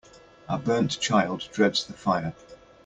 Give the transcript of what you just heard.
A burnt child dreads the fire.